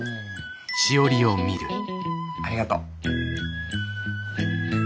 ありがとう。